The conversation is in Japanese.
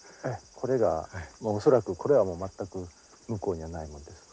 これが恐らくこれはもう全く向こうにはないもんです。